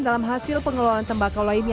dalam hasil pengelolaan tembakau lainnya